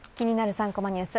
３コマニュース」